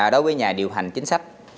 đối với nhà điều hành chính sách